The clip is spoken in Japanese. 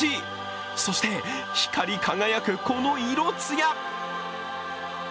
そして光り輝く、この色艶。